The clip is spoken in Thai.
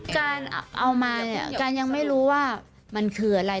การเอามาเนี่ยการยังไม่รู้ว่ามันคืออะไร